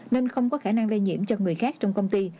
nên không có khả năng lây nhiễm cho người khác trong công ty